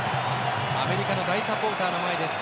アメリカの大サポーターの前です。